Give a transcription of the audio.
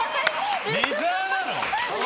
レザーなの？